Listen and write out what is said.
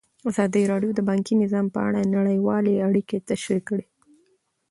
ازادي راډیو د بانکي نظام په اړه نړیوالې اړیکې تشریح کړي.